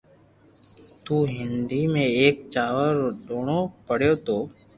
تو ھنڌي ۾ ايڪ چاور رو دوڻو پڙيو تو